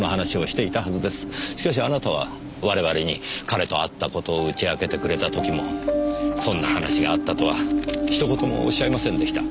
しかしあなたは我々に彼と会った事を打ち明けてくれた時もそんな話があったとは一言もおっしゃいませんでした。